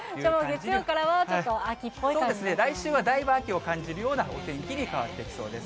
月曜からはちょっと秋っぽいそうですね、来週はだいぶ秋を感じるようなお天気に変わってきそうです。